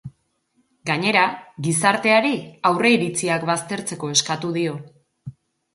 Gainera, gizarteari aurreiritziak baztertzeko eskatu dio.